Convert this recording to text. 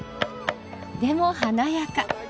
でも華やか。